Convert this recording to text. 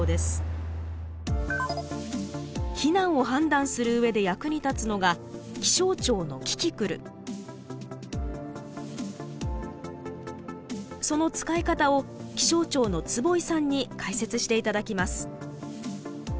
避難を判断する上で役に立つのがその使い方を気象庁の坪井さんに解説して頂きます。